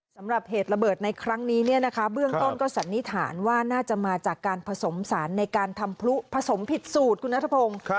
สำหรับเหตุระเบิดในครั้งนี้เบื้องต้นก็สันนิษฐานว่าน่าจะมาจากการผสมสารในการทำพลุผสมผิดสูตรคุณนัทพงศ์